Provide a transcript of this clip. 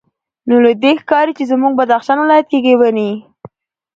نو له دې ښکاري چې زموږ بدخشان ولایت کې ګبیني